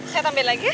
saya tambahin lagi ya